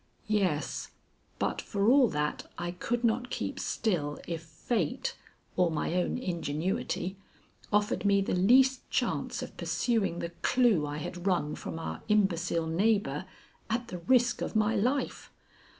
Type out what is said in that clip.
Yes, but for all that I could not keep still if fate, or my own ingenuity, offered me the least chance of pursuing the clue I had wrung from our imbecile neighbor at the risk of my life.